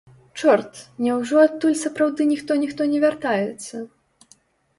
Чорт, няўжо адтуль сапраўды ніхто-ніхто не вяртаецца?